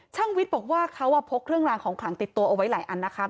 วิทย์บอกว่าเขาพกเครื่องรางของขลังติดตัวเอาไว้หลายอันนะคะ